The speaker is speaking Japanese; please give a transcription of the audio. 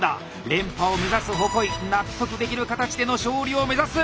連覇を目指す鉾井納得できる形での勝利を目指す。